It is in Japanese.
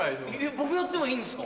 僕やってもいいんですか？